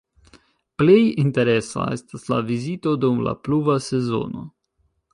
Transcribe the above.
Plej interesa estas la vizito dum la pluva sezono.